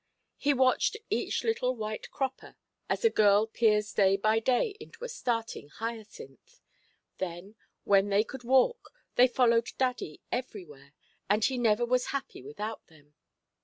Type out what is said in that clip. He watched each little white cropper, as a girl peers day by day into a starting hyacinth. Then, when they could walk, they followed daddy everywhere, and he never was happy without them.